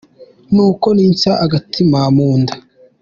Nuko nitsa agatima mu nda.